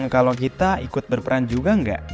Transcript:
kalau kita ikut berperan juga enggak